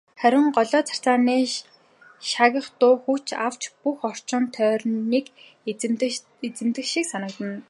Харин голио царцааны шаагих дуу хүч авч бүх орчин тойрныг эзэмдэх шиг санагдана.